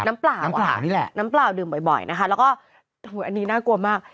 เปล่าน้ำเปล่านี่แหละน้ำเปล่าดื่มบ่อยนะคะแล้วก็อันนี้น่ากลัวมาก